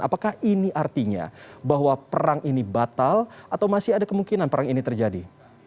apakah ini artinya bahwa perang ini batal atau masih ada kemungkinan perang ini terjadi